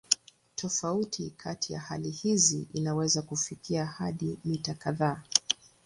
Tofauti kati ya hali hizi inaweza kufikia hadi mita kadhaa.